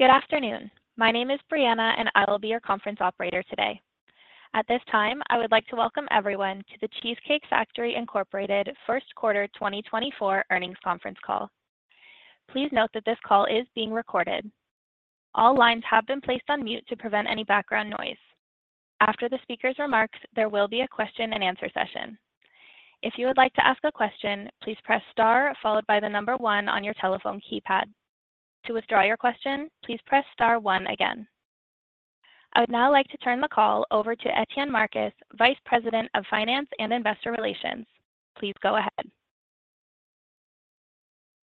Good afternoon. My name is Brianna and I will be your conference operator today. At this time, I would like to welcome everyone to the Cheesecake Factory Incorporated first quarter 2024 earnings conference call. Please note that this call is being recorded. All lines have been placed on mute to prevent any background noise. After the speaker's remarks, there will be a question-and-answer session. If you would like to ask a question, please press star followed by the number one on your telephone keypad. To withdraw your question, please press star one again. I would now like to turn the call over to Etienne Marcus, Vice President of Finance and Investor Relations. Please go ahead.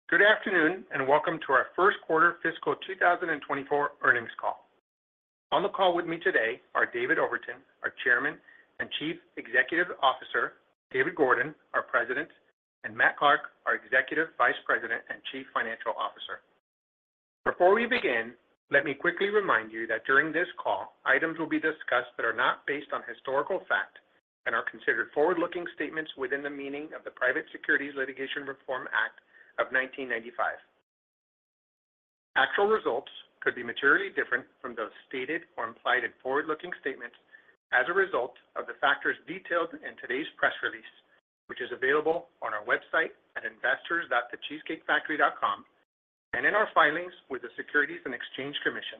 Good afternoon and welcome to our first quarter fiscal 2024 earnings call. On the call with me today are David Overton, our Chairman and Chief Executive Officer, David Gordon, our President, and Matt Clark, our Executive Vice President and Chief Financial Officer. Before we begin, let me quickly remind you that during this call items will be discussed that are not based on historical fact and are considered forward-looking statements within the meaning of the Private Securities Litigation Reform Act of 1995. Actual results could be materially different from those stated or implied in forward-looking statements as a result of the factors detailed in today's press release, which is available on our website at investors.thecheesecakefactory.com and in our filings with the Securities and Exchange Commission.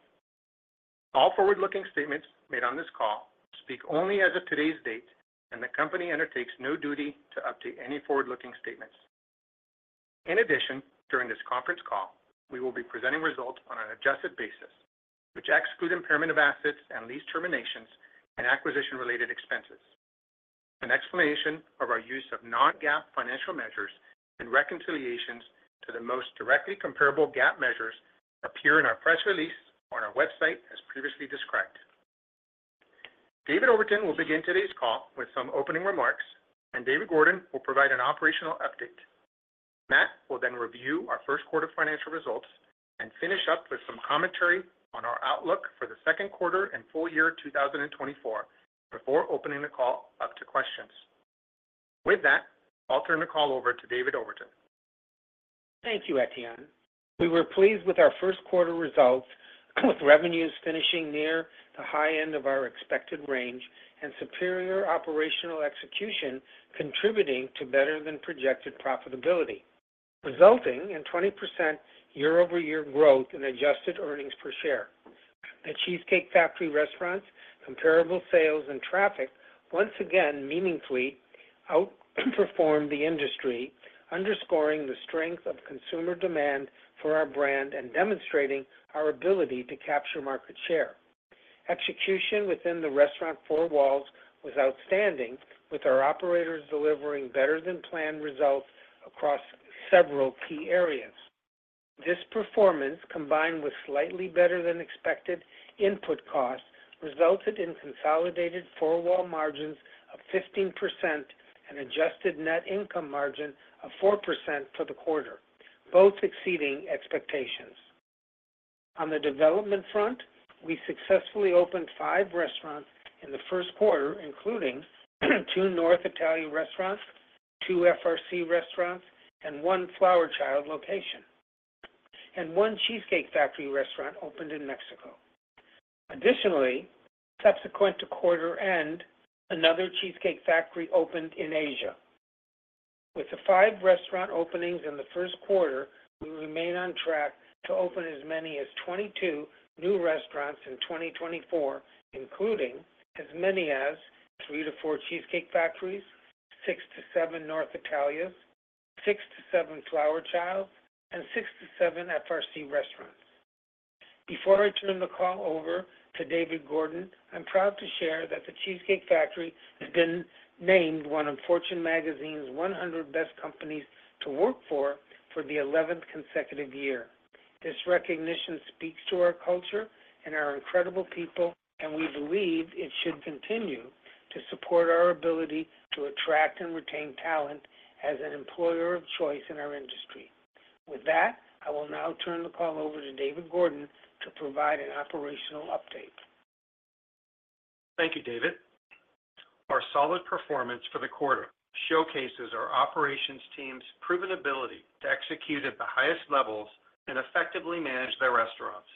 All forward-looking statements made on this call speak only as of today's date, and the company undertakes no duty to update any forward-looking statements. In addition, during this conference call, we will be presenting results on an adjusted basis, which exclude impairment of assets and lease terminations and acquisition-related expenses. An explanation of our use of non-GAAP financial measures and reconciliations to the most directly comparable GAAP measures appear in our press release on our website as previously described. David Overton will begin today's call with some opening remarks, and David Gordon will provide an operational update. Matt will then review our first quarter financial results and finish up with some commentary on our outlook for the second quarter and full year 2024 before opening the call up to questions. With that, I'll turn the call over to David Overton. Thank you, Etienne. We were pleased with our first quarter results, with revenues finishing near the high end of our expected range and superior operational execution contributing to better-than-projected profitability, resulting in 20% year-over-year growth in adjusted earnings per share. The Cheesecake Factory restaurants' comparable sales and traffic once again meaningfully outperformed the industry, underscoring the strength of consumer demand for our brand and demonstrating our ability to capture market share. Execution within the restaurant four walls was outstanding, with our operators delivering better-than-plan results across several key areas. This performance, combined with slightly better-than-expected input costs, resulted in consolidated four-wall margins of 15% and adjusted net income margin of 4% for the quarter, both exceeding expectations. On the development front, we successfully opened five restaurants in the first quarter, including two North Italia restaurants, two FRC restaurants, and one Flower Child location, and one Cheesecake Factory restaurant opened in Mexico. Additionally, subsequent to quarter-end, another Cheesecake Factory opened in Asia. With the five restaurant openings in the first quarter, we remain on track to open as many as 22 new restaurants in 2024, including as many as three to four Cheesecake Factories, six to seven North Italias, six to seven Flower Childs, and six to seven FRC restaurants. Before I turn the call over to David Gordon, I'm proud to share that the Cheesecake Factory has been named one of Fortune magazine's 100 best companies to work for for the 11th consecutive year. This recognition speaks to our culture and our incredible people, and we believe it should continue to support our ability to attract and retain talent as an employer of choice in our industry. With that, I will now turn the call over to David Gordon to provide an operational update. Thank you, David. Our solid performance for the quarter showcases our operations team's proven ability to execute at the highest levels and effectively manage their restaurants.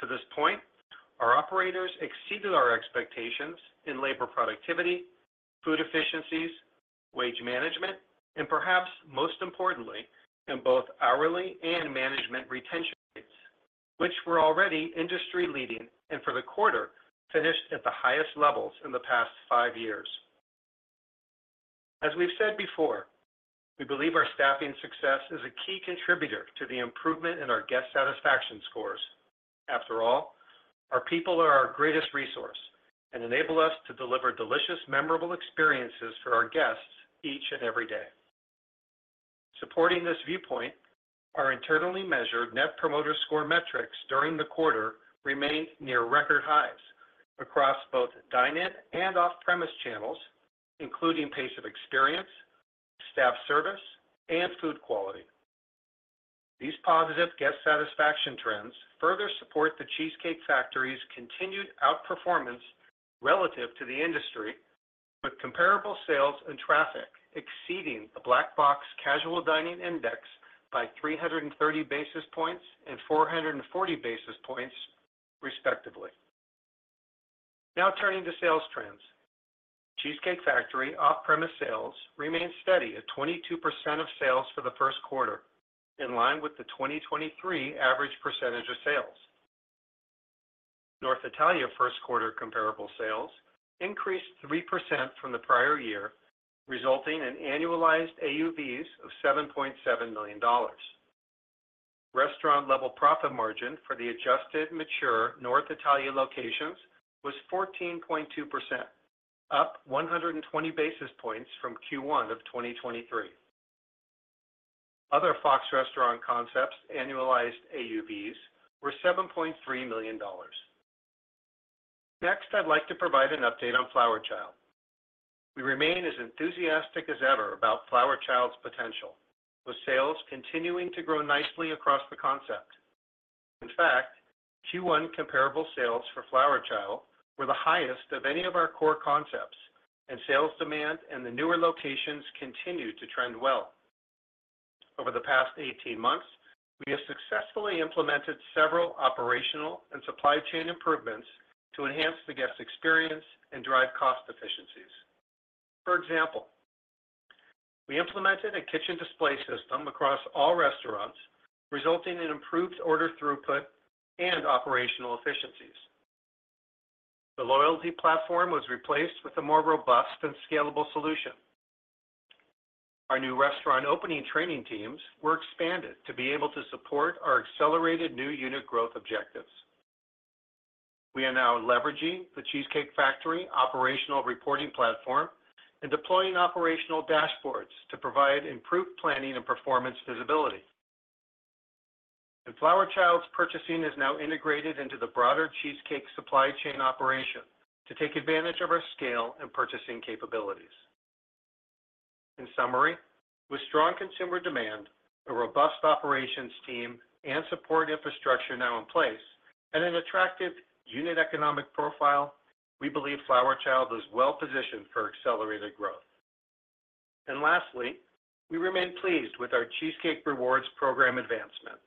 To this point, our operators exceeded our expectations in labor productivity, food efficiencies, wage management, and perhaps most importantly, in both hourly and management retention rates, which were already industry-leading and for the quarter finished at the highest levels in the past five years. As we've said before, we believe our staffing success is a key contributor to the improvement in our guest satisfaction scores. After all, our people are our greatest resource and enable us to deliver delicious, memorable experiences for our guests each and every day. Supporting this viewpoint, our internally measured Net Promoter Score metrics during the quarter remained near record highs across both dine-in and off-premise channels, including pace of experience, staff service, and food quality. These positive guest satisfaction trends further support the Cheesecake Factory's continued outperformance relative to the industry, with comparable sales and traffic exceeding the Black Box Casual Dining Index by 330 basis points and 440 basis points, respectively. Now turning to sales trends. Cheesecake Factory off-premise sales remained steady at 22% of sales for the first quarter, in line with the 2023 average percentage of sales. North Italia first quarter comparable sales increased 3% from the prior year, resulting in annualized AUVs of $7.7 million. Restaurant-level profit margin for the adjusted mature North Italia locations was 14.2%, up 120 basis points from Q1 of 2023. Other Fox Restaurant concepts' annualized AUVs were $7.3 million. Next, I'd like to provide an update on Flower Child. We remain as enthusiastic as ever about Flower Child's potential, with sales continuing to grow nicely across the concept. In fact, Q1 comparable sales for Flower Child were the highest of any of our core concepts, and sales demand and the newer locations continue to trend well. Over the past 18 months, we have successfully implemented several operational and supply chain improvements to enhance the guest experience and drive cost efficiencies. For example, we implemented a kitchen display system across all restaurants, resulting in improved order throughput and operational efficiencies. The loyalty platform was replaced with a more robust and scalable solution. Our new restaurant opening training teams were expanded to be able to support our accelerated new unit growth objectives. We are now leveraging the Cheesecake Factory operational reporting platform and deploying operational dashboards to provide improved planning and performance visibility. Flower Child's purchasing is now integrated into the broader Cheesecake supply chain operation to take advantage of our scale and purchasing capabilities. In summary, with strong consumer demand, a robust operations team, and support infrastructure now in place, and an attractive unit economic profile, we believe Flower Child is well-positioned for accelerated growth. Lastly, we remain pleased with our Cheesecake Rewards program advancement.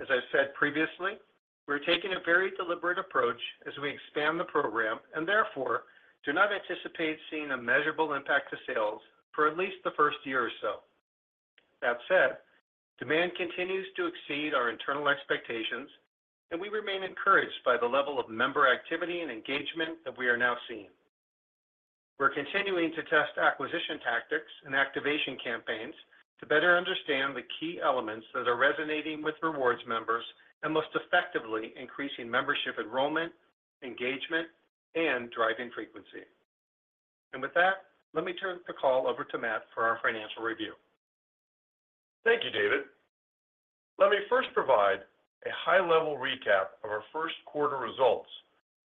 As I've said previously, we're taking a very deliberate approach as we expand the program and therefore do not anticipate seeing a measurable impact to sales for at least the first year or so. That said, demand continues to exceed our internal expectations, and we remain encouraged by the level of member activity and engagement that we are now seeing. We're continuing to test acquisition tactics and activation campaigns to better understand the key elements that are resonating with rewards members and most effectively increasing membership enrollment, engagement, and driving frequency. With that, let me turn the call over to Matt for our financial review. Thank you, David. Let me first provide a high-level recap of our first quarter results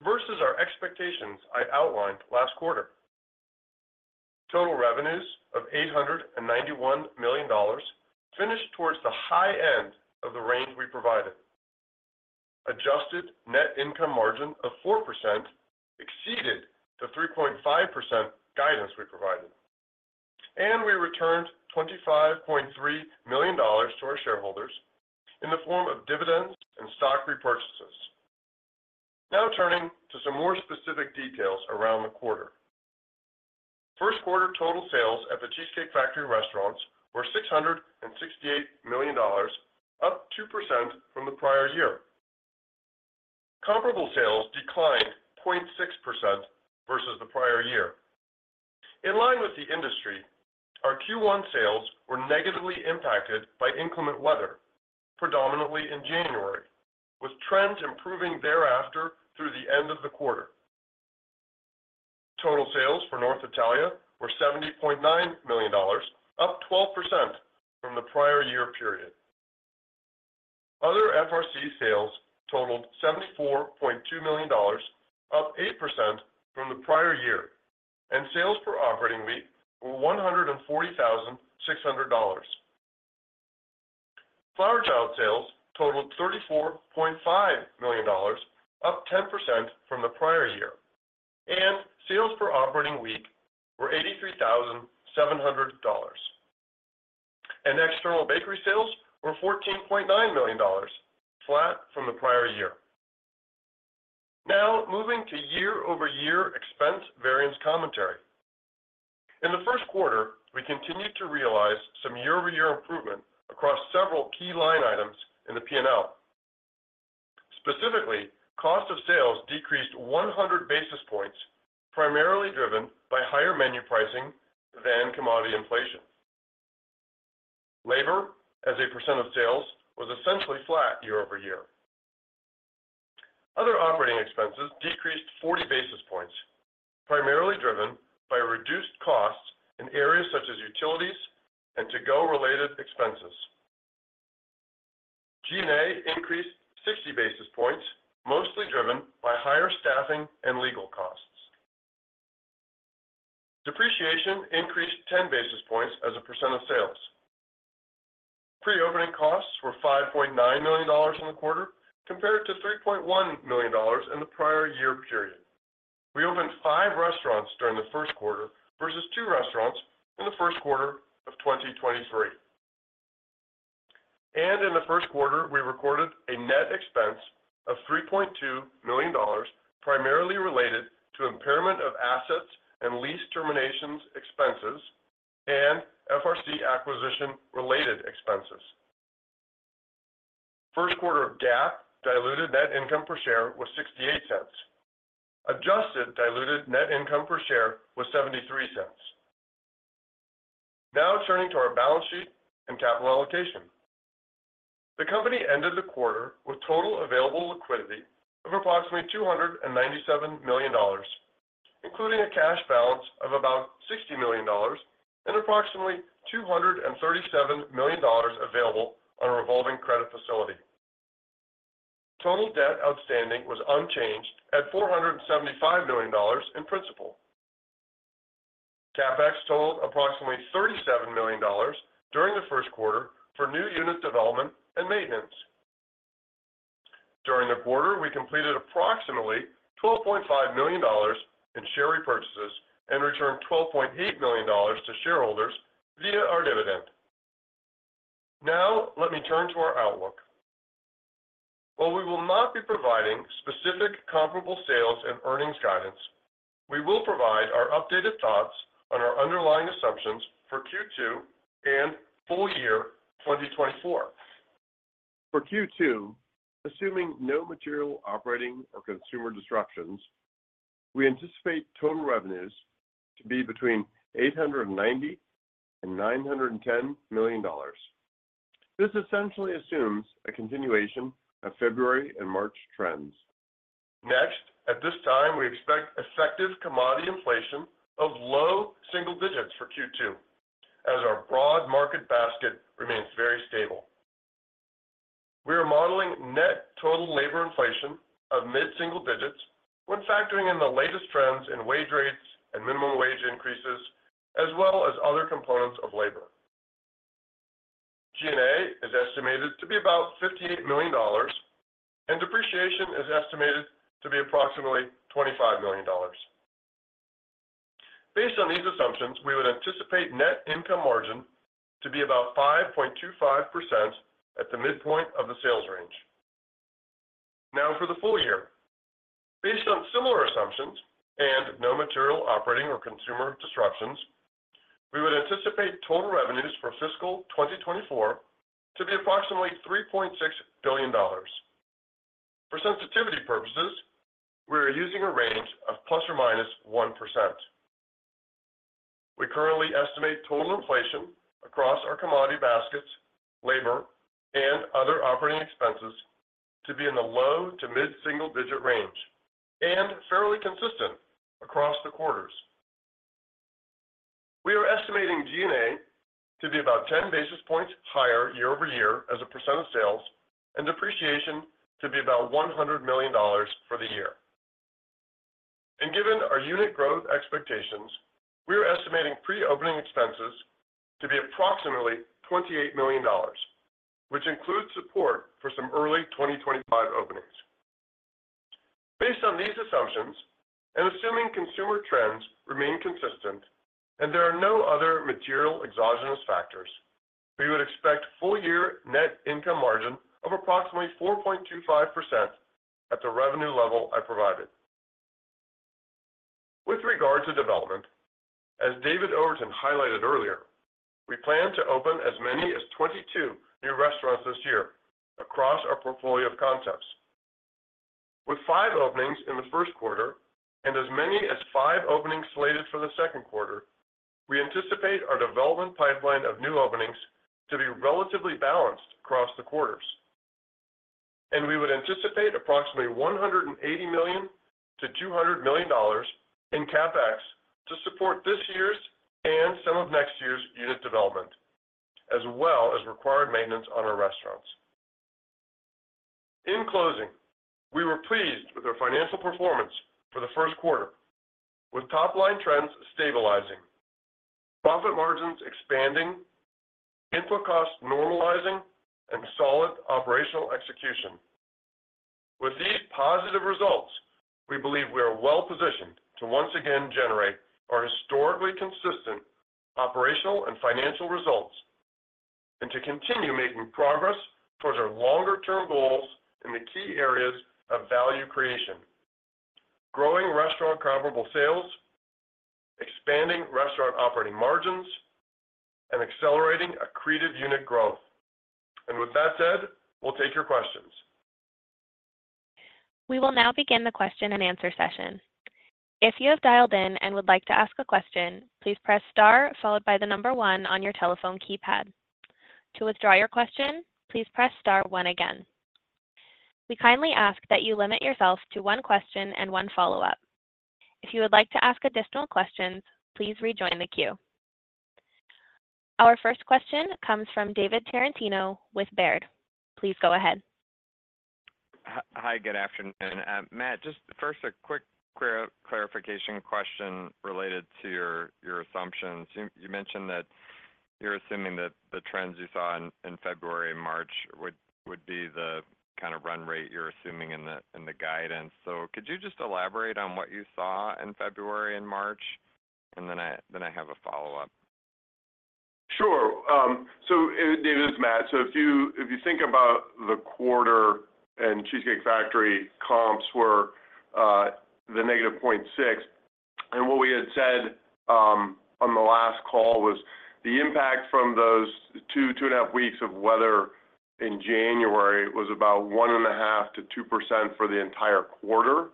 versus our expectations I outlined last quarter. Total revenues of $891 million finished towards the high end of the range we provided. Adjusted net income margin of 4% exceeded the 3.5% guidance we provided, and we returned $25.3 million to our shareholders in the form of dividends and stock repurchases. Now turning to some more specific details around the quarter. First quarter total sales at The Cheesecake Factory restaurants were $668 million, up 2% from the prior year. Comparable sales declined 0.6% versus the prior year. In line with the industry, our Q1 sales were negatively impacted by inclement weather, predominantly in January, with trends improving thereafter through the end of the quarter. Total sales for North Italia were $70.9 million, up 12% from the prior year period. Other FRC sales totaled $74.2 million, up 8% from the prior year, and sales per operating week were $140,600. Flower Child sales totaled $34.5 million, up 10% from the prior year, and sales per operating week were $83,700. External bakery sales were $14.9 million, flat from the prior year. Now moving to year-over-year expense variance commentary. In the first quarter, we continued to realize some year-over-year improvement across several key line items in the P&L. Specifically, cost of sales decreased 100 basis points, primarily driven by higher menu pricing than commodity inflation. Labor, as a percent of sales, was essentially flat year-over-year. Other Operating Expenses decreased 40 basis points, primarily driven by reduced costs in areas such as utilities and to-go related expenses. G&A increased 60 basis points, mostly driven by higher staffing and legal costs. Depreciation increased 10 basis points as a percent of sales. Pre-opening costs were $5.9 million in the quarter compared to $3.1 million in the prior year period. We opened five restaurants during the first quarter versus two restaurants in the first quarter of 2023. In the first quarter, we recorded a net expense of $3.2 million, primarily related to impairment of assets and lease terminations expenses and FRC acquisition-related expenses. First quarter of GAAP diluted net income per share was $0.68. Adjusted diluted net income per share was $0.73. Now turning to our balance sheet and capital allocation. The company ended the quarter with total available liquidity of approximately $297 million, including a cash balance of about $60 million and approximately $237 million available on a revolving credit facility. Total debt outstanding was unchanged at $475 million in principal. CapEx totaled approximately $37 million during the first quarter for new unit development and maintenance. During the quarter, we completed approximately $12.5 million in share repurchases and returned $12.8 million to shareholders via our dividend. Now let me turn to our outlook. While we will not be providing specific comparable sales and earnings guidance, we will provide our updated thoughts on our underlying assumptions for Q2 and full year 2024. For Q2, assuming no material operating or consumer disruptions, we anticipate total revenues to be between $890-$910 million. This essentially assumes a continuation of February and March trends. Next, at this time, we expect effective commodity inflation of low single digits for Q2, as our broad market basket remains very stable. We are modeling net total labor inflation of mid-single digits when factoring in the latest trends in wage rates and minimum wage increases, as well as other components of labor. G&A is estimated to be about $58 million, and depreciation is estimated to be approximately $25 million. Based on these assumptions, we would anticipate net income margin to be about 5.25% at the midpoint of the sales range. Now for the full year. Based on similar assumptions and no material operating or consumer disruptions, we would anticipate total revenues for fiscal 2024 to be approximately $3.6 billion. For sensitivity purposes, we are using a range of ±1%. We currently estimate total inflation across our commodity baskets, labor, and other operating expenses to be in the low to mid-single digit range and fairly consistent across the quarters. We are estimating G&A to be about 10 basis points higher year-over-year as a percent of sales and depreciation to be about $100 million for the year. Given our unit growth expectations, we are estimating pre-opening expenses to be approximately $28 million, which includes support for some early 2025 openings. Based on these assumptions and assuming consumer trends remain consistent and there are no other material exogenous factors, we would expect full-year net income margin of approximately 4.25% at the revenue level I provided. With regard to development, as David Overton highlighted earlier, we plan to open as many as 22 new restaurants this year across our portfolio of concepts. With five openings in the first quarter and as many as five openings slated for the second quarter, we anticipate our development pipeline of new openings to be relatively balanced across the quarters. And we would anticipate approximately $180 million-$200 million in CapEx to support this year's and some of next year's unit development, as well as required maintenance on our restaurants. In closing, we were pleased with our financial performance for the first quarter, with top-line trends stabilizing, profit margins expanding, input costs normalizing, and solid operational execution. With these positive results, we believe we are well-positioned to once again generate our historically consistent operational and financial results and to continue making progress towards our longer-term goals in the key areas of value creation: growing restaurant comparable sales, expanding restaurant operating margins, and accelerating accretive unit growth. With that said, we'll take your questions. We will now begin the question and answer session. If you have dialed in and would like to ask a question, please press star followed by the number one on your telephone keypad. To withdraw your question, please press star one again. We kindly ask that you limit yourself to one question and one follow-up. If you would like to ask additional questions, please rejoin the queue. Our first question comes from David Tarantino with Baird. Please go ahead. Hi. Good afternoon. Matt, just first a quick clarification question related to your assumptions. You mentioned that you're assuming that the trends you saw in February and March would be the kind of run rate you're assuming in the guidance. So could you just elaborate on what you saw in February and March? And then I have a follow-up. Sure. So David, it's Matt. So if you think about the quarter and Cheesecake Factory comps were -0.6%, and what we had said on the last call was the impact from those two, 2.5 weeks of weather in January was about 1.5%-2% for the entire quarter,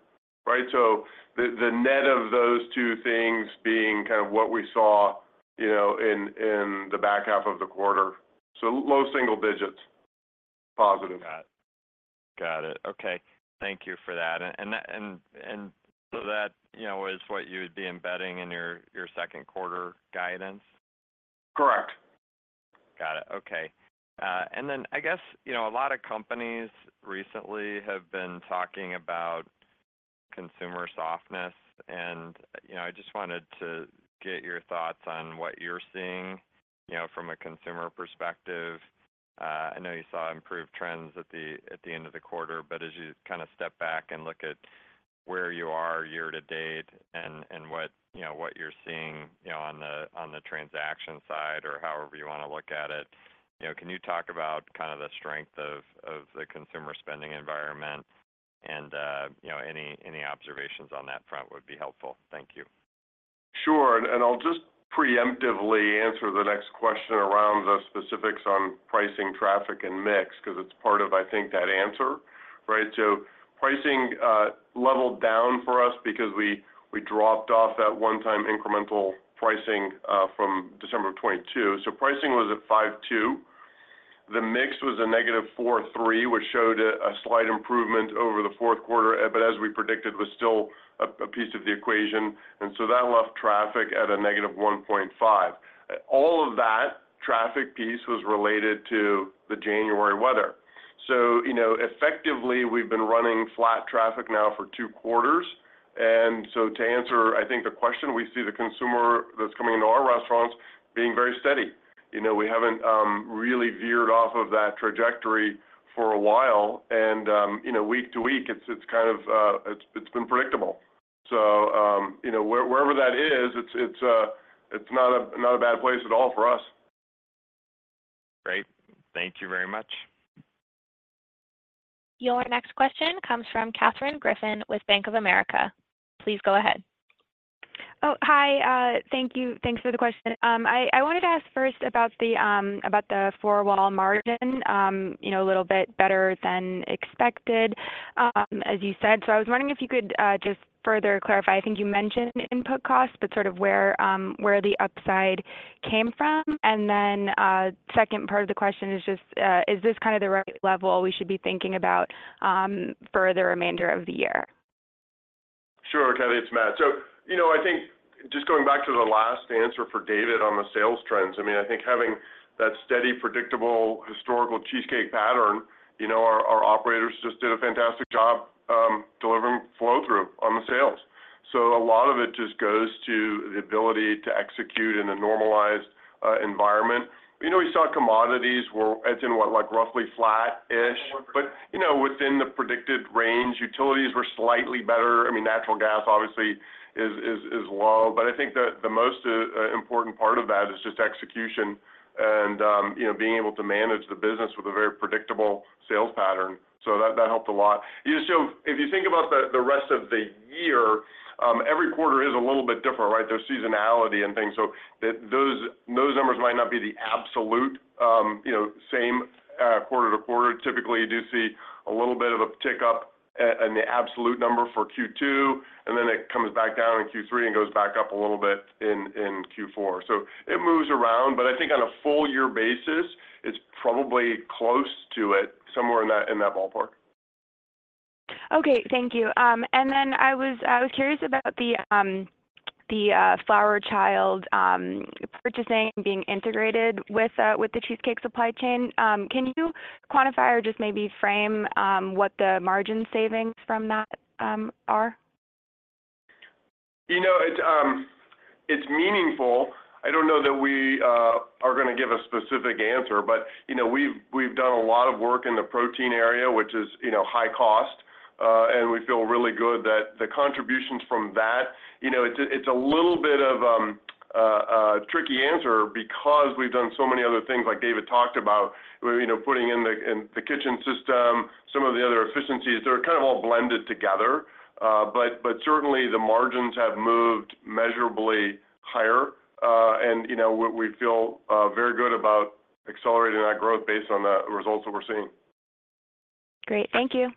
right? So the net of those two things being kind of what we saw in the back half of the quarter. So low single digits, positive. Got it. Got it. Okay. Thank you for that. And so that was what you would be embedding in your second quarter guidance? Correct. Got it. Okay. And then I guess a lot of companies recently have been talking about consumer softness. And I just wanted to get your thoughts on what you're seeing from a consumer perspective. I know you saw improved trends at the end of the quarter, but as you kind of step back and look at where you are year to date and what you're seeing on the transaction side or however you want to look at it, can you talk about kind of the strength of the consumer spending environment? And any observations on that front would be helpful. Thank you. Sure. And I'll just preemptively answer the next question around the specifics on pricing, traffic, and mix because it's part of, I think, that answer, right? So pricing leveled down for us because we dropped off that one-time incremental pricing from December of 2022. So pricing was at 5.2%. The mix was a -4.3%, which showed a slight improvement over the fourth quarter, but as we predicted, was still a piece of the equation. And so that left traffic at a -1.5%. All of that traffic piece was related to the January weather. So effectively, we've been running flat traffic now for two quarters. And so to answer, I think, the question, we see the consumer that's coming into our restaurants being very steady. We haven't really veered off of that trajectory for a while. And week to week, it's kind of been predictable. Wherever that is, it's not a bad place at all for us. Great. Thank you very much. Your next question comes from Katherine Griffin with Bank of America. Please go ahead. Oh, hi. Thank you. Thanks for the question. I wanted to ask first about the four-wall margin a little bit better than expected, as you said. So I was wondering if you could just further clarify. I think you mentioned input costs, but sort of where the upside came from. And then second part of the question is just, is this kind of the right level we should be thinking about for the remainder of the year? Sure, Kath. It's Matt. So I think just going back to the last answer for David on the sales trends, I mean, I think having that steady, predictable, historical Cheesecake pattern, our operators just did a fantastic job delivering flow-through on the sales. So a lot of it just goes to the ability to execute in a normalized environment. We saw commodities were, it's in what, roughly flat-ish, but within the predicted range. Utilities were slightly better. I mean, natural gas, obviously, is low. But I think the most important part of that is just execution and being able to manage the business with a very predictable sales pattern. So that helped a lot. So if you think about the rest of the year, every quarter is a little bit different, right? There's seasonality and things. So those numbers might not be the absolute same quarter to quarter. Typically, you do see a little bit of a pickup in the absolute number for Q2, and then it comes back down in Q3 and goes back up a little bit in Q4. So it moves around. But I think on a full-year basis, it's probably close to it, somewhere in that ballpark. Okay. Thank you. And then I was curious about the Flower Child purchasing being integrated with the Cheesecake supply chain. Can you quantify or just maybe frame what the margin savings from that are? It's meaningful. I don't know that we are going to give a specific answer, but we've done a lot of work in the protein area, which is high cost. And we feel really good that the contributions from that it's a little bit of a tricky answer because we've done so many other things, like David talked about, putting in the kitchen system, some of the other efficiencies. They're kind of all blended together. But certainly, the margins have moved measurably higher. And we feel very good about accelerating that growth based on the results that we're seeing. Great. Thank you.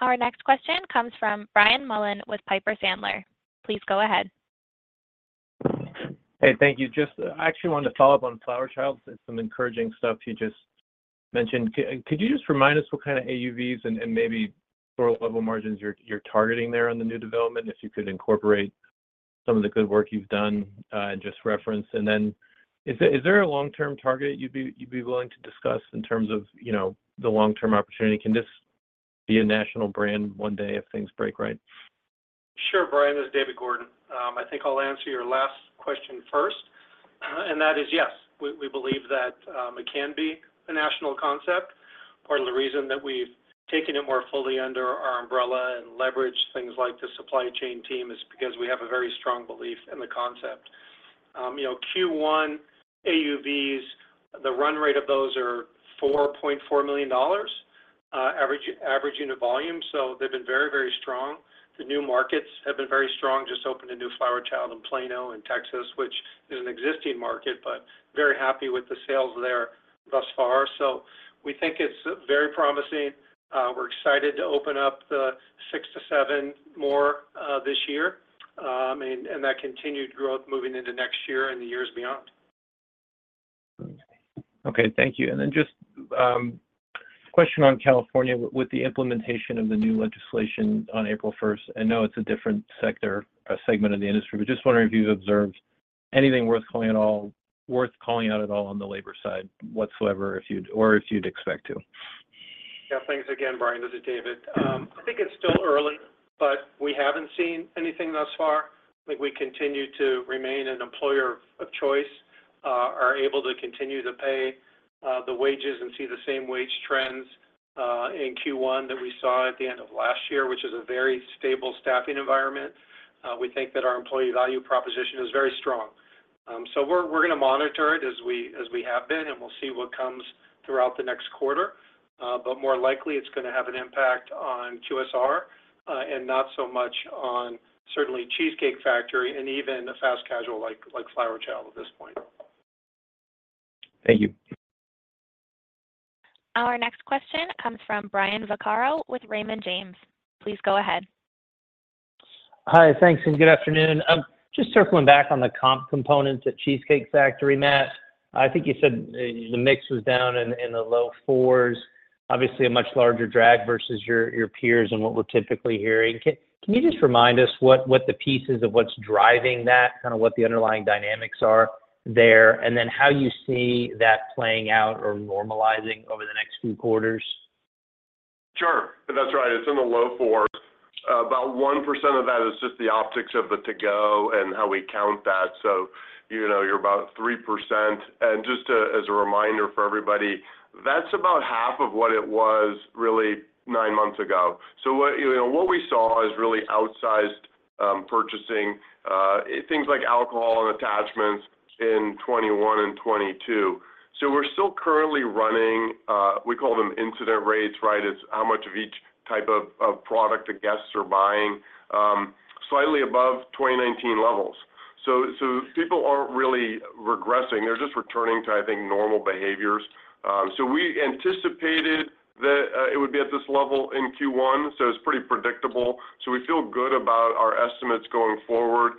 Our next question comes from Brian Mullan with Piper Sandler. Please go ahead. Hey, thank you. I actually wanted to follow up on Flower Child's. It's some encouraging stuff you just mentioned. Could you just remind us what kind of AUVs and maybe four-wall margins you're targeting there on the new development, if you could incorporate some of the good work you've done and just reference? And then is there a long-term target you'd be willing to discuss in terms of the long-term opportunity? Can this be a national brand one day if things break right? Sure, Brian. This is David Gordon. I think I'll answer your last question first. And that is, yes, we believe that it can be a national concept. Part of the reason that we've taken it more fully under our umbrella and leveraged things like the supply chain team is because we have a very strong belief in the concept. Q1 AUVs, the run rate of those are $4.4 million average unit volume. So they've been very, very strong. The new markets have been very strong. Just opened a new Flower Child in Plano in Texas, which is an existing market, but very happy with the sales there thus far. So we think it's very promising. We're excited to open up the six to seven more this year and that continued growth moving into next year and the years beyond. Okay. Thank you. Then just a question on California with the implementation of the new legislation on April 1st. I know it's a different segment of the industry, but just wondering if you've observed anything worth calling out at all on the labor side whatsoever or if you'd expect to? Yeah. Thanks again, Brian. This is David. I think it's still early, but we haven't seen anything thus far. We continue to remain an employer of choice, are able to continue to pay the wages and see the same wage trends in Q1 that we saw at the end of last year, which is a very stable staffing environment. We think that our employee value proposition is very strong. So we're going to monitor it as we have been, and we'll see what comes throughout the next quarter. But more likely, it's going to have an impact on QSR and not so much on certainly Cheesecake Factory and even a fast casual like Flower Child at this point. Thank you. Our next question comes from Brian Vaccaro with Raymond James. Please go ahead. Hi. Thanks. And good afternoon. Just circling back on the comp components at Cheesecake Factory, Matt, I think you said the mix was down in the low fours, obviously a much larger drag versus your peers and what we're typically hearing. Can you just remind us what the pieces of what's driving that, kind of what the underlying dynamics are there, and then how you see that playing out or normalizing over the next few quarters? Sure. That's right. It's in the low 4s. About 1% of that is just the optics of the to-go and how we count that. So you're about 3%. And just as a reminder for everybody, that's about half of what it was really nine months ago. So what we saw is really outsized purchasing, things like alcohol and attachments in 2021 and 2022. So we're still currently running we call them incident rates, right? It's how much of each type of product the guests are buying, slightly above 2019 levels. So people aren't really regressing. They're just returning to, I think, normal behaviors. So we anticipated that it would be at this level in Q1. So it's pretty predictable. So we feel good about our estimates going forward.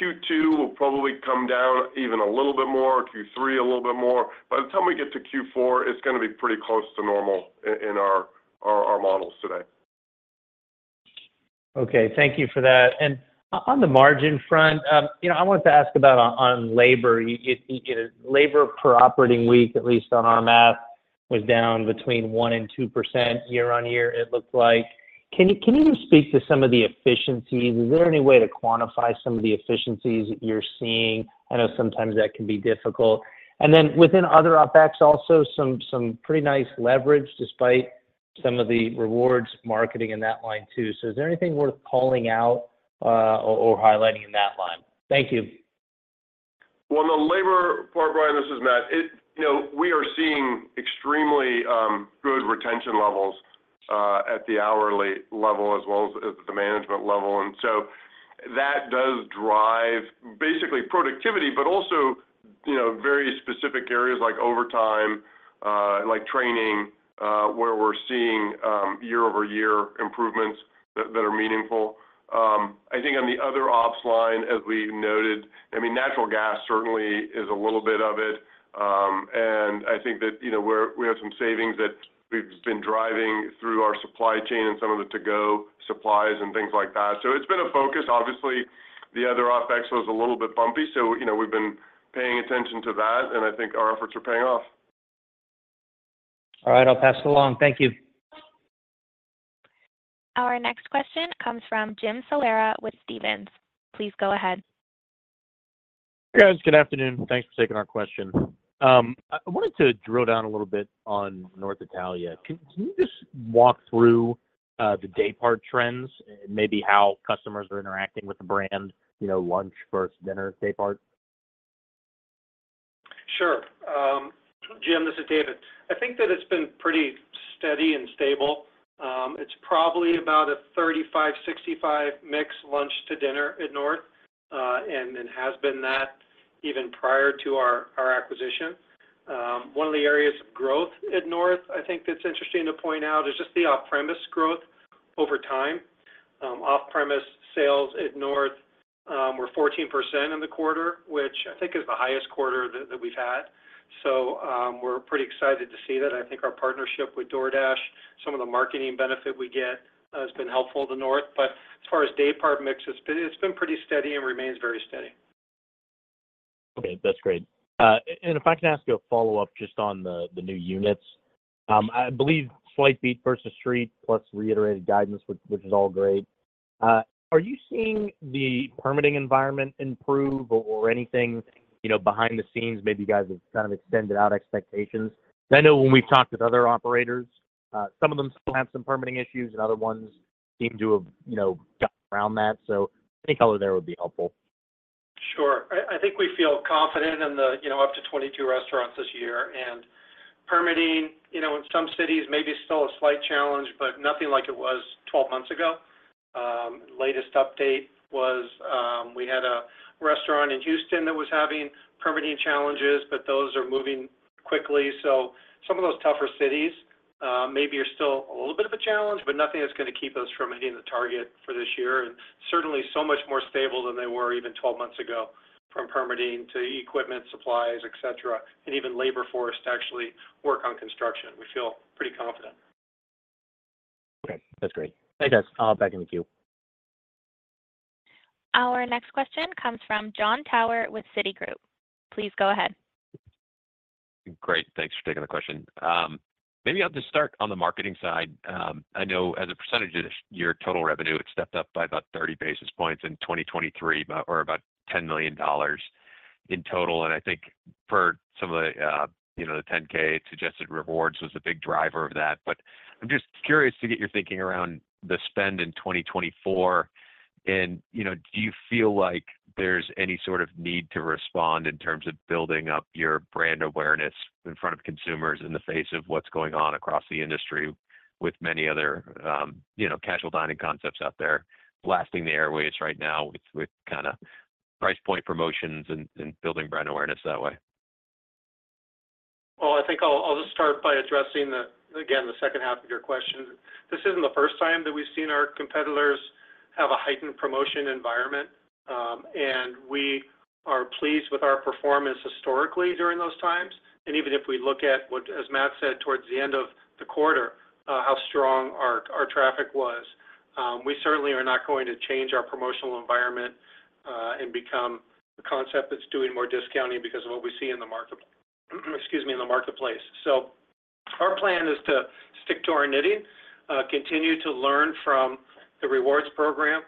Q2 will probably come down even a little bit more, Q3 a little bit more. By the time we get to Q4, it's going to be pretty close to normal in our models today. Okay. Thank you for that. On the margin front, I wanted to ask about labor. Labor per operating week, at least on our math, was down between 1% and 2% year-over-year, it looked like. Can you even speak to some of the efficiencies? Is there any way to quantify some of the efficiencies that you're seeing? I know sometimes that can be difficult. Then within other OpEx also, some pretty nice leverage despite some of the rewards marketing in that line too. So is there anything worth calling out or highlighting in that line? Thank you. Well, on the labor part, Brian, this is Matt. We are seeing extremely good retention levels at the hourly level as well as at the management level. And so that does drive basically productivity, but also very specific areas like overtime, like training, where we're seeing year-over-year improvements that are meaningful. I think on the other ops line, as we noted, I mean, natural gas certainly is a little bit of it. And I think that we have some savings that we've been driving through our supply chain and some of the to-go supplies and things like that. So it's been a focus. Obviously, the other OPEX was a little bit bumpy. So we've been paying attention to that, and I think our efforts are paying off. All right. I'll pass it along. Thank you. Our next question comes from Jim Salera with Stephens. Please go ahead. Hey, guys. Good afternoon. Thanks for taking our question. I wanted to drill down a little bit on North Italia. Can you just walk through the daypart trends and maybe how customers are interacting with the brand, lunch versus dinner, daypart? Sure. Jim, this is David. I think that it's been pretty steady and stable. It's probably about a 35-65 mix lunch to dinner at North and has been that even prior to our acquisition. One of the areas of growth at North, I think that's interesting to point out, is just the off-premise growth over time. Off-premise sales at North were 14% in the quarter, which I think is the highest quarter that we've had. So we're pretty excited to see that. I think our partnership with DoorDash, some of the marketing benefit we get has been helpful to North. But as far as daypart mix, it's been pretty steady and remains very steady. Okay. That's great. If I can ask you a follow-up just on the new units, I believe slight beat versus street plus reiterated guidance, which is all great. Are you seeing the permitting environment improve or anything behind the scenes? Maybe you guys have kind of extended out expectations. Because I know when we've talked with other operators, some of them still have some permitting issues, and other ones seem to have gotten around that. So any color there would be helpful. Sure. I think we feel confident in the up to 22 restaurants this year. Permitting, in some cities, maybe still a slight challenge, but nothing like it was 12 months ago. Latest update was we had a restaurant in Houston that was having permitting challenges, but those are moving quickly. So some of those tougher cities maybe are still a little bit of a challenge, but nothing that's going to keep us from hitting the target for this year. Certainly, so much more stable than they were even 12 months ago from permitting to equipment, supplies, etc., and even labor force to actually work on construction. We feel pretty confident. Okay. That's great. Hey, guys. I'm back in the queue. Our next question comes from Jon Tower with Citigroup. Please go ahead. Great. Thanks for taking the question. Maybe I'll just start on the marketing side. I know as a percentage of your total revenue, it stepped up by about 30 basis points in 2023 or about $10 million in total. I think for some of the 10-K, it suggested rewards was a big driver of that. But I'm just curious to get your thinking around the spend in 2024. Do you feel like there's any sort of need to respond in terms of building up your brand awareness in front of consumers in the face of what's going on across the industry with many other casual dining concepts out there blasting the airwaves right now with kind of price point promotions and building brand awareness that way? Well, I think I'll just start by addressing, again, the second half of your question. This isn't the first time that we've seen our competitors have a heightened promotion environment. And we are pleased with our performance historically during those times. And even if we look at what, as Matt said, towards the end of the quarter, how strong our traffic was, we certainly are not going to change our promotional environment and become a concept that's doing more discounting because of what we see in the marketplace. Excuse me, in the marketplace. So our plan is to stick to our knitting, continue to learn from the rewards program,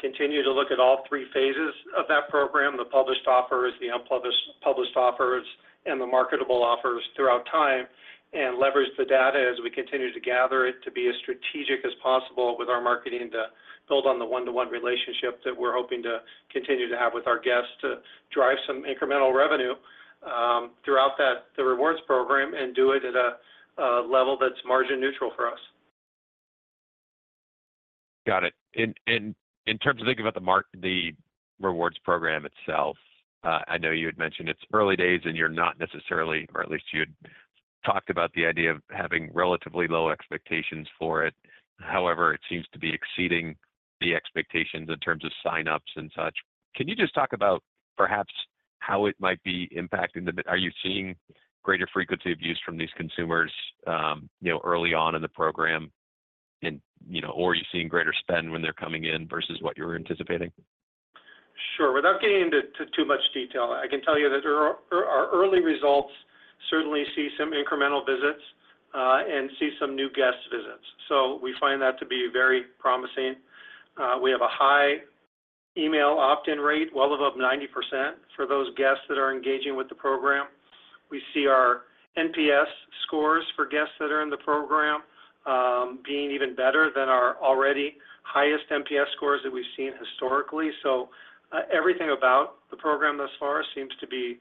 continue to look at all three phases of that program, the published offers, the unpublished offers, and the marketable offers throughout time, and leverage the data as we continue to gather it to be as strategic as possible with our marketing to build on the one-to-one relationship that we're hoping to continue to have with our guests to drive some incremental revenue throughout the rewards program and do it at a level that's margin neutral for us. Got it. In terms of thinking about the rewards program itself, I know you had mentioned it's early days, and you're not necessarily or at least you had talked about the idea of having relatively low expectations for it. However, it seems to be exceeding the expectations in terms of sign-ups and such. Can you just talk about perhaps how it might be impacting? Are you seeing greater frequency of use from these consumers early on in the program, or are you seeing greater spend when they're coming in versus what you were anticipating? Sure. Without getting into too much detail, I can tell you that our early results certainly see some incremental visits and see some new guest visits. So we find that to be very promising. We have a high email opt-in rate, well above 90%, for those guests that are engaging with the program. We see our NPS scores for guests that are in the program being even better than our already highest NPS scores that we've seen historically. So everything about the program thus far seems to be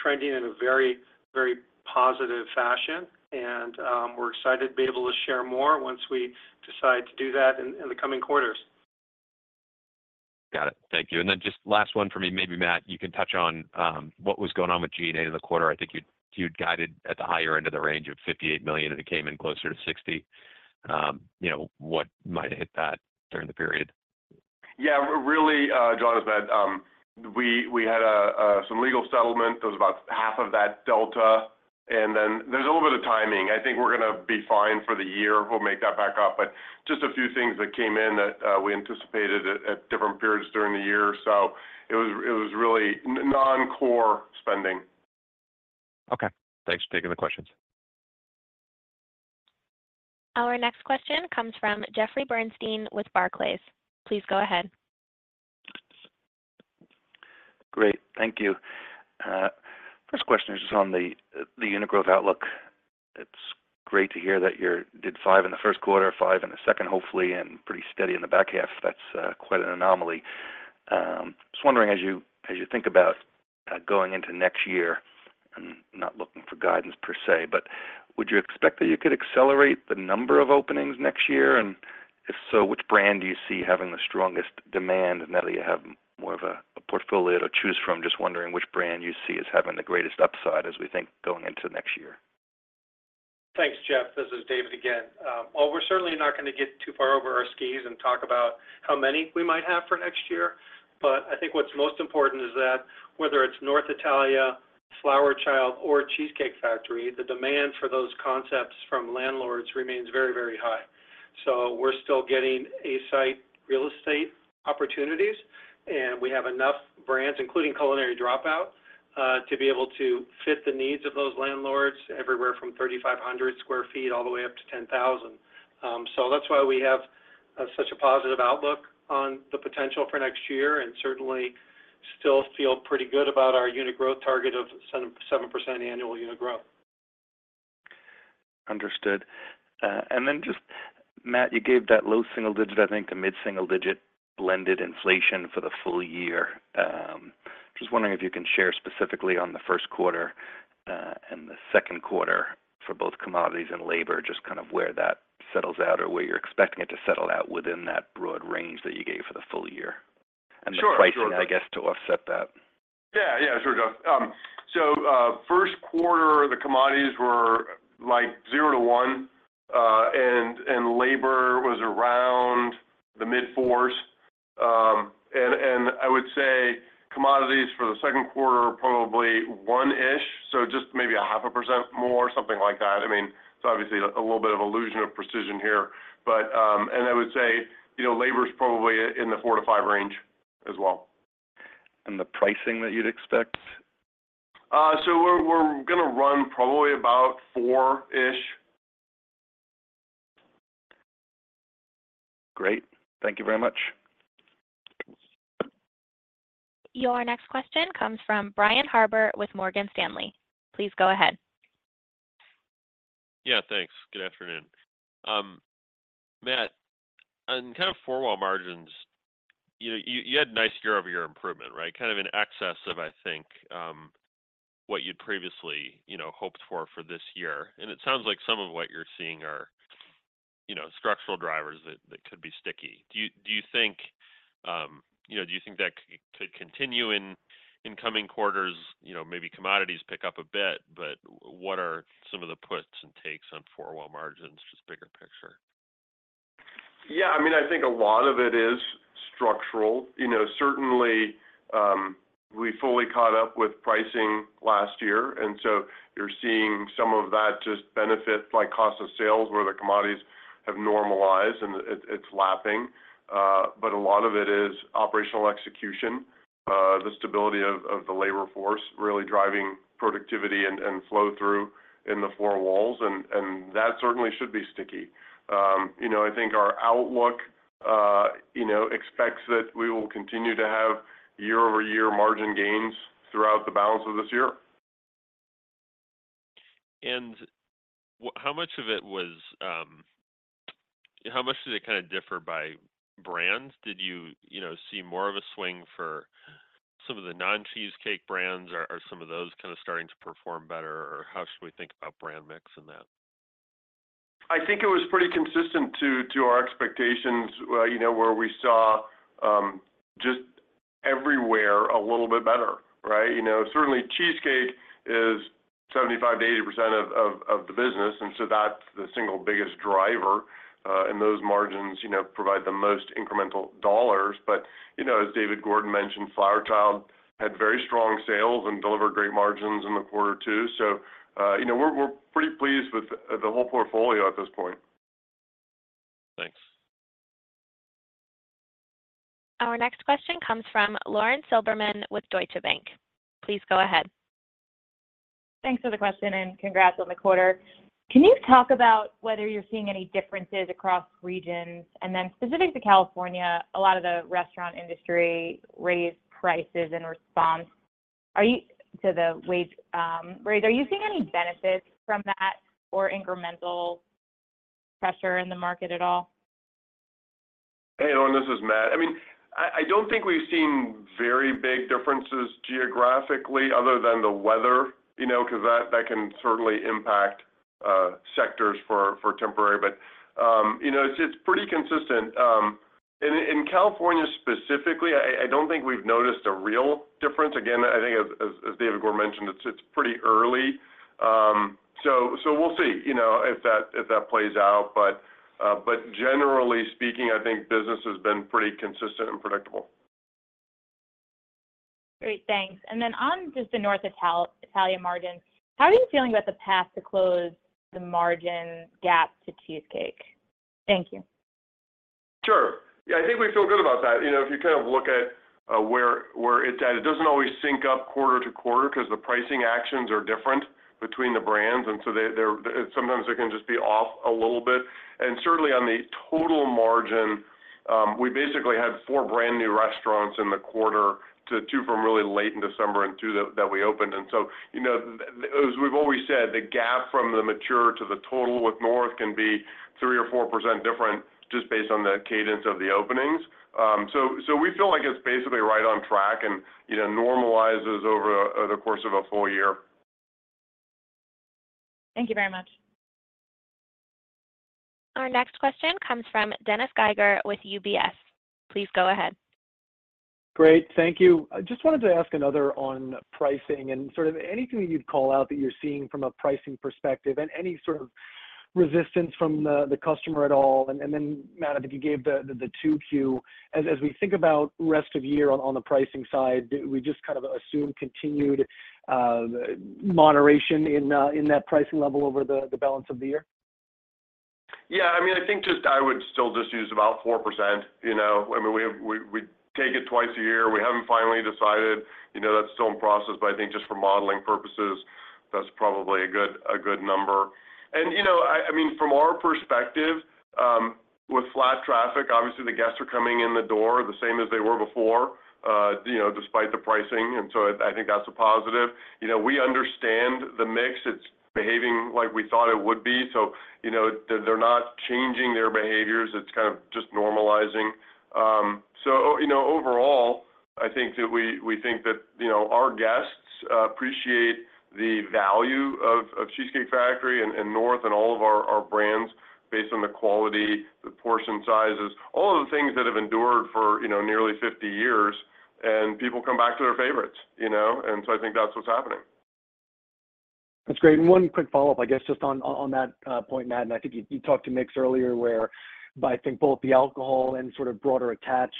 trending in a very, very positive fashion. And we're excited to be able to share more once we decide to do that in the coming quarters. Got it. Thank you. And then just last one for me. Maybe, Matt, you can touch on what was going on with G&A in the quarter. I think you'd guided at the higher end of the range of $58 million and it came in closer to $60 million. What might have hit that during the period? Yeah. Really, Jon, as Matt, we had some legal settlement. There was about half of that delta. And then there's a little bit of timing. I think we're going to be fine for the year. We'll make that back up. But just a few things that came in that we anticipated at different periods during the year. So it was really non-core spending. Okay. Thanks for taking the questions. Our next question comes from Jeffrey Bernstein with Barclays. Please go ahead. Great. Thank you. First question is just on the unit growth outlook. It's great to hear that you did five in the first quarter, five in the second, hopefully, and pretty steady in the back half. That's quite an anomaly. Just wondering, as you think about going into next year and not looking for guidance per se, but would you expect that you could accelerate the number of openings next year? And if so, which brand do you see having the strongest demand now that you have more of a portfolio to choose from? Just wondering which brand you see as having the greatest upside as we think going into next year. Thanks, Jeff. This is David again. Well, we're certainly not going to get too far over our skis and talk about how many we might have for next year. But I think what's most important is that whether it's North Italia, Flower Child, or Cheesecake Factory, the demand for those concepts from landlords remains very, very high. So we're still getting aside real estate opportunities, and we have enough brands, including Culinary Dropout, to be able to fit the needs of those landlords everywhere from 3,500 sq ft all the way up to 10,000 sq ft. So that's why we have such a positive outlook on the potential for next year and certainly still feel pretty good about our unit growth target of 7% annual unit growth. Understood. And then just, Matt, you gave that low single-digit, I think, to mid-single-digit blended inflation for the full year. Just wondering if you can share specifically on the first quarter and the second quarter for both commodities and labor, just kind of where that settles out or where you're expecting it to settle out within that broad range that you gave for the full year. And the pricing, I guess, to offset that. Yeah. Yeah. Sure, Jeff. So first quarter, the commodities were 0%-1%, and labor was around the mid-4s. And I would say commodities for the second quarter, probably 1%-ish, so just maybe a half a percent more, something like that. I mean, it's obviously a little bit of illusion of precision here. And I would say labor's probably in the 4%-5% range as well. The pricing that you'd expect? We're going to run probably about 4-ish. Great. Thank you very much. Your next question comes from Brian Harbour with Morgan Stanley. Please go ahead. Yeah. Thanks. Good afternoon. Matt, on kind of four-wall margins, you had nice year-over-year improvement, right? Kind of in excess of, I think, what you'd previously hoped for for this year. And it sounds like some of what you're seeing are structural drivers that could be sticky. Do you think that could continue in coming quarters? Maybe commodities pick up a bit, but what are some of the puts and takes on four-wall margins, just bigger picture? Yeah. I mean, I think a lot of it is structural. Certainly, we fully caught up with pricing last year. And so you're seeing some of that just benefit like cost of sales where the commodities have normalized, and it's lapping. But a lot of it is operational execution, the stability of the labor force really driving productivity and flow through in the four walls. And that certainly should be sticky. I think our outlook expects that we will continue to have year-over-year margin gains throughout the balance of this year. How much did it kind of differ by brands? Did you see more of a swing for some of the non-Cheesecake brands? Are some of those kind of starting to perform better, or how should we think about brand mix in that? I think it was pretty consistent to our expectations where we saw just everywhere a little bit better, right? Certainly, Cheesecake is 75%-80% of the business. And so that's the single biggest driver. And those margins provide the most incremental dollars. But as David Gordon mentioned, Flower Child had very strong sales and delivered great margins in the quarter too. So we're pretty pleased with the whole portfolio at this point. Thanks. Our next question comes from Lauren Silberman with Deutsche Bank. Please go ahead. Thanks for the question and congrats on the quarter. Can you talk about whether you're seeing any differences across regions? And then specific to California, a lot of the restaurant industry raised prices in response to the wage raise. Are you seeing any benefits from that or incremental pressure in the market at all? Hey, Lauren. This is Matt. I mean, I don't think we've seen very big differences geographically other than the weather because that can certainly impact sectors temporarily. It's pretty consistent. In California specifically, I don't think we've noticed a real difference. Again, I think as David Gordon mentioned, it's pretty early. We'll see if that plays out. Generally speaking, I think business has been pretty consistent and predictable. Great. Thanks. And then on just the North Italia margins, how are you feeling about the path to close the margin gap to Cheesecake? Thank you. Sure. Yeah. I think we feel good about that. If you kind of look at where it's at, it doesn't always sync up quarter to quarter because the pricing actions are different between the brands. And so sometimes it can just be off a little bit. And certainly, on the total margin, we basically had four brand new restaurants in the quarter, two from really late in December and two that we opened. And so as we've always said, the gap from the mature to the total with North can be 3% or 4% different just based on the cadence of the openings. So we feel like it's basically right on track and normalizes over the course of a full year. Thank you very much. Our next question comes from Dennis Geiger with UBS. Please go ahead. Great. Thank you. I just wanted to ask another on pricing and sort of anything that you'd call out that you're seeing from a pricing perspective and any sort of resistance from the customer at all. And then, Matt, if you gave the 2Q, as we think about rest of year on the pricing side, do we just kind of assume continued moderation in that pricing level over the balance of the year? Yeah. I mean, I think just I would still just use about 4%. I mean, we take it twice a year. We haven't finally decided. That's still in process. But I think just for modeling purposes, that's probably a good number. And I mean, from our perspective, with flat traffic, obviously, the guests are coming in the door the same as they were before despite the pricing. And so I think that's a positive. We understand the mix. It's behaving like we thought it would be. So they're not changing their behaviors. It's kind of just normalizing. So overall, I think that we think that our guests appreciate the value of Cheesecake Factory and North and all of our brands based on the quality, the portion sizes, all of the things that have endured for nearly 50 years. And people come back to their favorites. I think that's what's happening. That's great. And one quick follow-up, I guess, just on that point, Matt. And I think you talked to mix earlier where, by, I think, both the alcohol and sort of broader attach,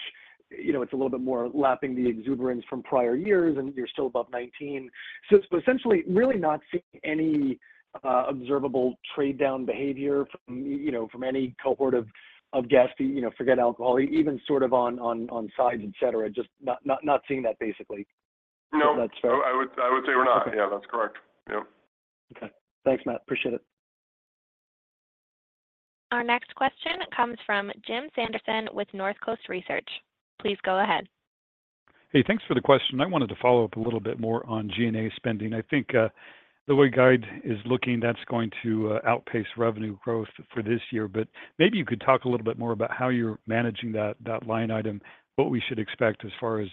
it's a little bit more lapping the exuberance from prior years, and you're still above 19. So essentially, really not seeing any observable trade-down behavior from any cohort of guests who forget alcohol, even sort of on sides, etc., just not seeing that, basically. No. I would say we're not. Yeah. That's correct. Yep. Okay. Thanks, Matt. Appreciate it. Our next question comes from Jim Sanderson with North Coast Research. Please go ahead. Hey. Thanks for the question. I wanted to follow up a little bit more on G&A spending. I think the way the guide is looking, that's going to outpace revenue growth for this year. But maybe you could talk a little bit more about how you're managing that line item, what we should expect as far as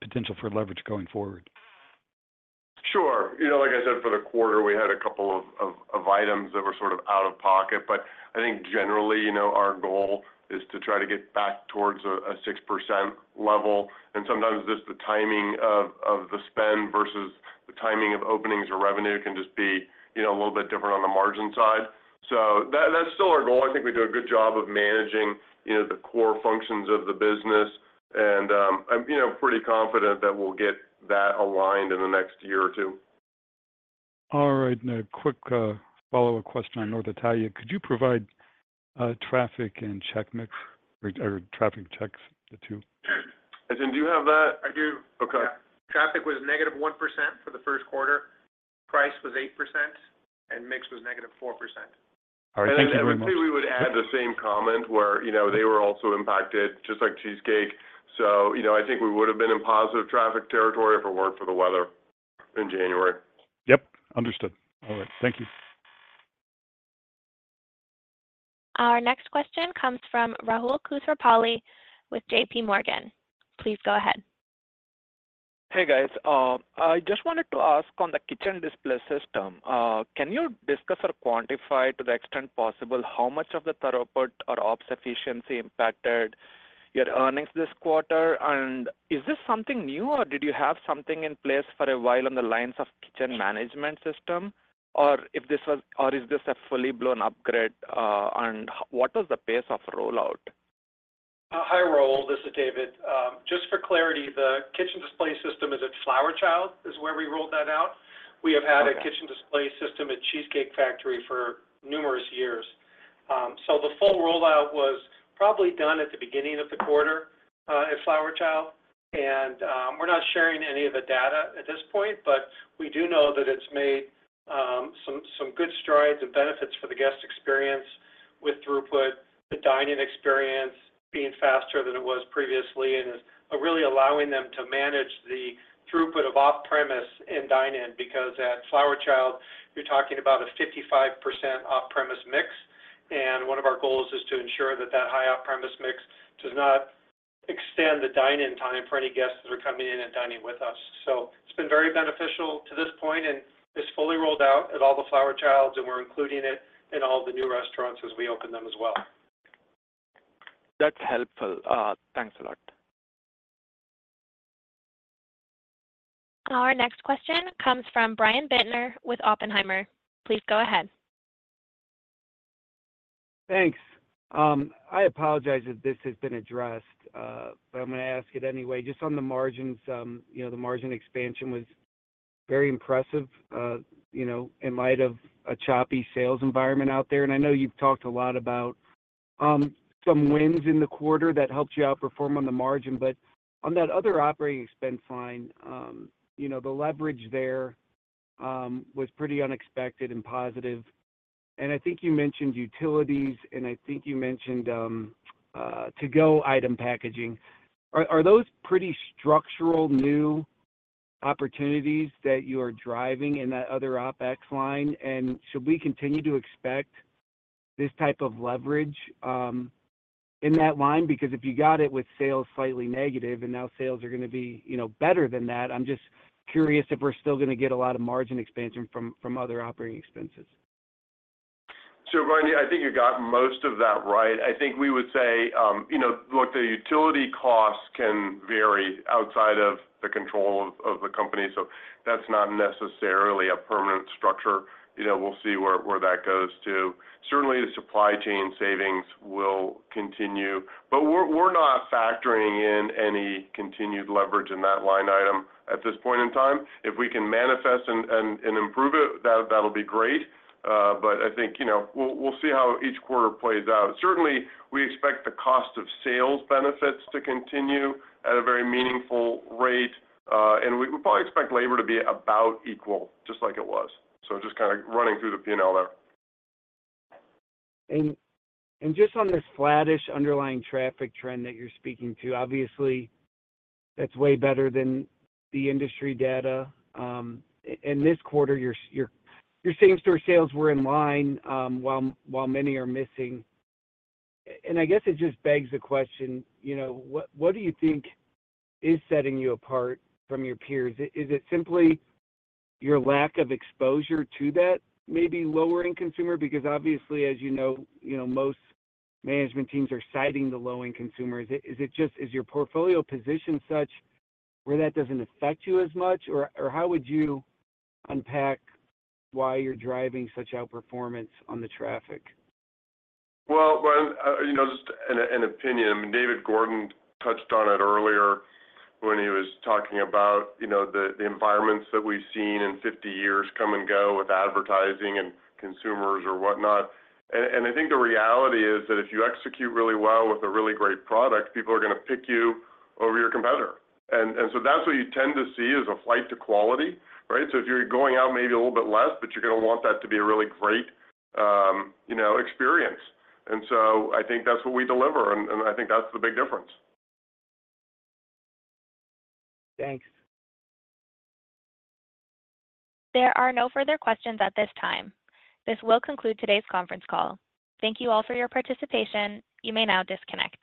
potential for leverage going forward. Sure. Like I said, for the quarter, we had a couple of items that were sort of out of pocket. But I think generally, our goal is to try to get back towards a 6% level. And sometimes just the timing of the spend versus the timing of openings or revenue can just be a little bit different on the margin side. So that's still our goal. I think we do a good job of managing the core functions of the business. And I'm pretty confident that we'll get that aligned in the next year or two. All right. Now, quick follow-up question on North Italia. Could you provide traffic and check mix or traffic checks, the two? Etienne, do you have that? I do. Okay. Traffic was -1% for the first quarter. Price was 8%. Mix was -4%. All right. Thank you very much. I would say we would add the same comment where they were also impacted just like Cheesecake. I think we would have been in positive traffic territory if it weren't for the weather in January. Yep. Understood. All right. Thank you. Our next question comes from Rahul Krotthapalli with J.P. Morgan. Please go ahead. Hey, guys. I just wanted to ask on the kitchen display system. Can you discuss or quantify, to the extent possible, how much of the throughput or ops efficiency impacted your earnings this quarter? And is this something new, or did you have something in place for a while on the lines of kitchen management system? Or is this a full-blown upgrade? And what was the pace of rollout? Hi Rahul. This is David. Just for clarity, the kitchen display system is at Flower Child is where we rolled that out. We have had a kitchen display system at Cheesecake Factory for numerous years. So the full rollout was probably done at the beginning of the quarter at Flower Child. And we're not sharing any of the data at this point, but we do know that it's made some good strides and benefits for the guest experience with throughput, the dining experience being faster than it was previously, and is really allowing them to manage the throughput of off-premise and dine-in because at Flower Child, you're talking about a 55% off-premise mix. And one of our goals is to ensure that that high off-premise mix does not extend the dine-in time for any guests that are coming in and dining with us. So it's been very beneficial to this point and is fully rolled out at all the Flower Childs, and we're including it in all the new restaurants as we open them as well. That's helpful. Thanks a lot. Our next question comes from Brian Bittner with Oppenheimer. Please go ahead. Thanks. I apologize if this has been addressed, but I'm going to ask it anyway. Just on the margins, the margin expansion was very impressive in light of a choppy sales environment out there. And I know you've talked a lot about some wins in the quarter that helped you outperform on the margin. But on that other operating expense line, the leverage there was pretty unexpected and positive. And I think you mentioned utilities, and I think you mentioned to-go item packaging. Are those pretty structural new opportunities that you are driving in that other OPEX line? And should we continue to expect this type of leverage in that line? Because if you got it with sales slightly negative and now sales are going to be better than that, I'm just curious if we're still going to get a lot of margin expansion from other operating expenses? So, Brian, I think you got most of that right. I think we would say, look, the utility costs can vary outside of the control of the company. So that's not necessarily a permanent structure. We'll see where that goes too. Certainly, the supply chain savings will continue. But we're not factoring in any continued leverage in that line item at this point in time. If we can manifest and improve it, that'll be great. But I think we'll see how each quarter plays out. Certainly, we expect the cost of sales benefits to continue at a very meaningful rate. And we probably expect labor to be about equal just like it was. So just kind of running through the P&L there. Just on this flat-ish underlying traffic trend that you're speaking to, obviously, that's way better than the industry data. In this quarter, your same-store sales were in line while many are missing. And I guess it just begs the question, what do you think is setting you apart from your peers? Is it simply your lack of exposure to that maybe lower-end consumer? Because obviously, as you know, most management teams are citing the low-end consumers. Is your portfolio position such where that doesn't affect you as much? Or how would you unpack why you're driving such outperformance on the traffic? Well, Brian, just an opinion. I mean, David Gordon touched on it earlier when he was talking about the environments that we've seen in 50 years come and go with advertising and consumers or whatnot. And I think the reality is that if you execute really well with a really great product, people are going to pick you over your competitor. And so that's what you tend to see is a flight to quality, right? So if you're going out maybe a little bit less, but you're going to want that to be a really great experience. And so I think that's what we deliver. And I think that's the big difference. Thanks. There are no further questions at this time. This will conclude today's conference call. Thank you all for your participation. You may now disconnect.